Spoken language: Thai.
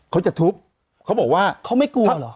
เขาจะทุบเขาบอกว่าเขาไม่กลัวเหรอ